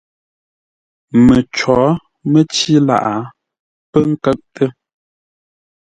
Məcǒ mə́cí lâʼ pə́ kə́ʼtə́.